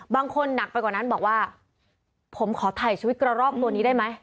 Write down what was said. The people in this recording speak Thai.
บางคนหนักไปกว่านั้นบอกว่าผมขอถ่ายชีวิตกระรอกตัวนี้ได้ไหม